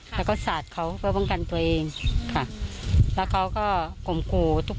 แล้วก็สาดเขาเพื่อป้องกันตัวเองค่ะแล้วเขาก็ข่มขู่ทุก